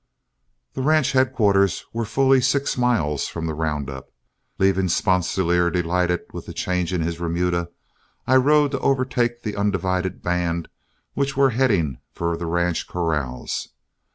The ranch headquarters were fully six miles from the round up. Leaving Sponsilier delighted with the change in his remuda, I rode to overtake the undivided band which were heading for the ranch corrals.